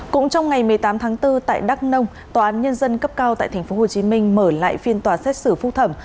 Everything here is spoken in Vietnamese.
cũng trong ngày một mươi tám tháng bốn tại đắk nông tòa án nhân dân cấp cao tại tp hcm mở lại phiên tòa xét xử phúc thẩm